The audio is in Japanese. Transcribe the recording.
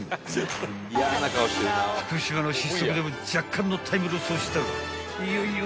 ［福島の失速で若干のタイムロスをしたがいよいよ］